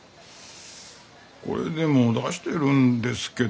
これでも出してるんですけどねえ。